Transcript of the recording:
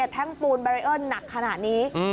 แทงกูลแบรีเออร์หนักขนาดนี้